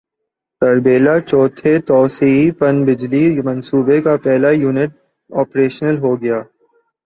تربیلا چوتھے توسیعی پن بجلی منصوبے کا پہلا یونٹ پریشنل ہوگیا